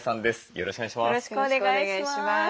よろしくお願いします。